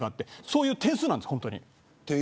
そういう点数なんです。